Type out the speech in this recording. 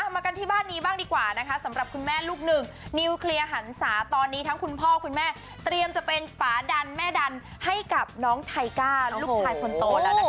มากันที่บ้านนี้บ้างดีกว่านะคะสำหรับคุณแม่ลูกหนึ่งนิวเคลียร์หันศาตอนนี้ทั้งคุณพ่อคุณแม่เตรียมจะเป็นฝาดันแม่ดันให้กับน้องไทก้าลูกชายคนโตแล้วนะคะ